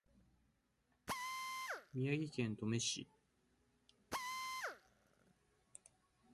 宮城県登米市